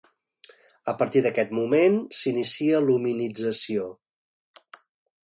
A partir d'aquest moment s'inicia l'hominització.